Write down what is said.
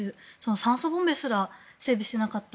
酸素ボンベすら整備していなかった。